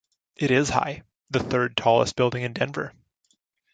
It is high, the third tallest building in Denver.